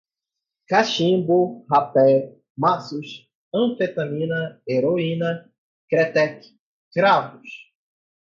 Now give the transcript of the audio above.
cachimbo, rapé, maços, anfetamina, heroína, kretek, cravos